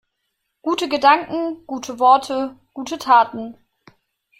Gute Gedanken, gute Worte, gute Taten.